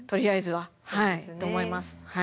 はいと思います。